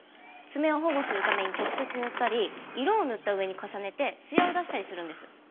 爪を保護するために直接塗ったり色を塗った上に重ねてつやを出したりするんです。